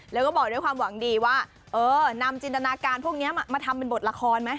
แล้วก็บอกด้วยความหวังดีว่าเออนำจินตนาการพวกนี้มาทำเป็นบทละครไหม